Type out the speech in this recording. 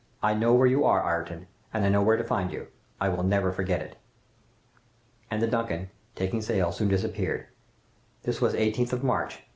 I know where you are Ayrton, and I know where to find you. I will never forget it! "And the 'Duncan,' making sail, soon disappeared. This was 18th of March, 1855.